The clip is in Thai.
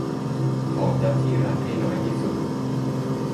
ของเจ้าหน้าที่รัฐให้น้อยที่สุด